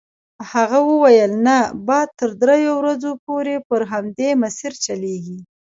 هغه وویل نه باد تر دریو ورځو پورې پر همدې مسیر چلیږي.